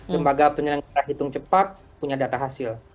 lembaga penyelenggara hitung cepat punya data hasil